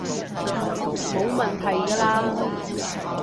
冇問題㗎喇